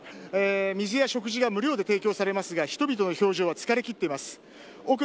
こちらのスペースでは水や食事が無料で提供されますが人々の表情は疲れきっています。